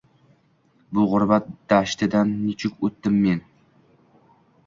Bu g‘urbat dashtidan nechuk o‘tdim men